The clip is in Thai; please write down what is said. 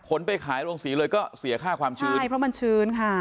ไปขายโรงสีเลยก็เสียค่าความชื้นใช่เพราะมันชื้นค่ะ